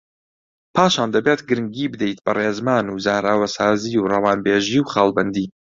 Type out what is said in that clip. پاشان دەبێت گرنگی بدەیت بە ڕێزمان و زاراوەسازی و ڕەوانبێژی و خاڵبەندی